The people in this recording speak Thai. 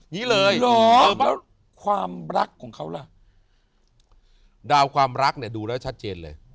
อย่างนี้เลยแล้วความรักของเขาล่ะดาวความรักเนี่ยดูแล้วชัดเจนเลย